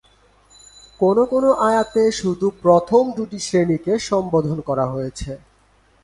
কোন কোন আয়াতে শুধু প্রথম দুটি শ্রেণীকে সম্বোধন করা হয়েছে।